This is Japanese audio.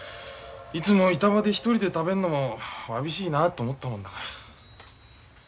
いつも板場で一人で食べるのもわびしいなと思ったもんだから。